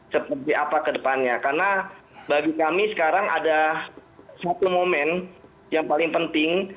seperti apa kedepannya karena bagi kami sekarang ada satu momen yang paling penting